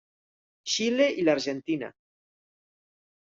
Xile i l'Argentina.